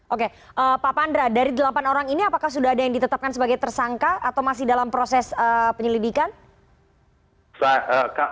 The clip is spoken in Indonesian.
oke pak pandra dari delapan orang ini apakah sudah ada yang ditetapkan sebagai tersangka atau masih dalam proses penyelidikan